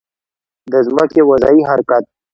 د ځمکې وضعي حرکت